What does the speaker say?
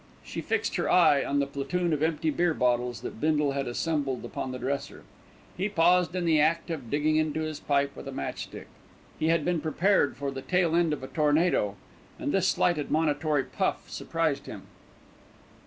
She fixed her eye on the platoon of empty beer bottles that Bindle had assembled upon the dresser. He paused in the act of digging into his pipe with a match stick. He had been prepared for the tail end of a tornado, and this slight admonitory puff surprised him.